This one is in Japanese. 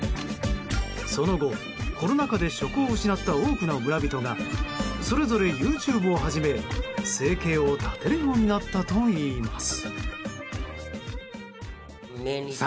その後、コロナ禍で職を失った多くの村人がそれぞれＹｏｕＴｕｂｅを始め生計を立てるようになったといいます。